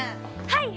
はい！